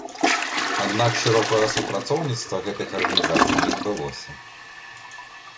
Аднак шырокага супрацоўніцтва гэтых арганізацый не адбылося.